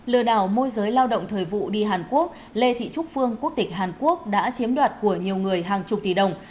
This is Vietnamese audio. lừa đảo môi giới lao động thời vụ đi hàn quốc lê thị trúc phương quốc tịch hàn quốc đã chiếm đoạt của nhiều người hàng chục tỷ đồng